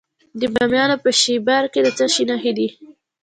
د بامیان په شیبر کې د څه شي نښې دي؟